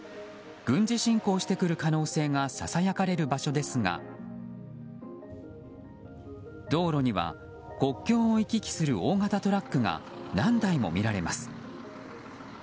軍事侵攻してくる可能性がささやかれる場所ですが道路には国境を行き来する大型トラックが何台も見られます。